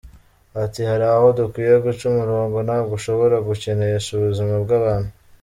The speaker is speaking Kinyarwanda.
Ati “ Hari aho dukwiye guca umurongo, ntabwo ushobora gukinisha ubuzima bw’abantu.